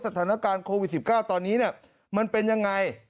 สถานการณ์โควิด๑๙ตอนนี้มันเป็นยังไง